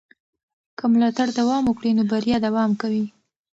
که ملاتړ دوام وکړي نو بریا دوام کوي.